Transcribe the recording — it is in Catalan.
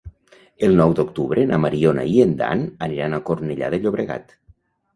El nou d'octubre na Mariona i en Dan aniran a Cornellà de Llobregat.